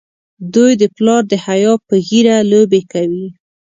دوی د پلار د حیا په ږیره لوبې کوي.